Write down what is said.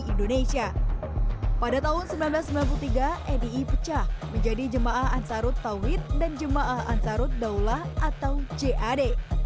indonesia pada tahun seribu sembilan ratus sembilan puluh tiga nii pecah menjadi jemaah ansarut tawid dan jemaah ansarut daulah atau jad